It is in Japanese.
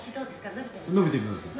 伸びてます？」